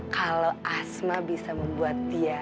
kalau asma bisa membuat dia